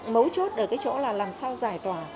mấu chốt ở cái chỗ là làm sao giải tỏa